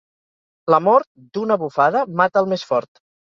La mort, d'una bufada, mata el més fort.